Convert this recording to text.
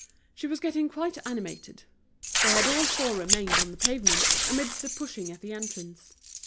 She was getting quite animated. They had all four remained on the pavement, amidst the pushing at the entrance.